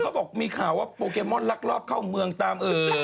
เขาบอกมีข่าวว่าโปเกมอนลักลอบเข้าเมืองตาม